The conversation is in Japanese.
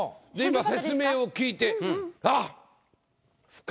今説明を聞いて「あっ！」。